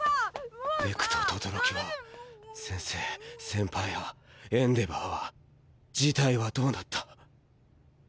デクと轟は先生先輩はエンデヴァーは事態はどうなった。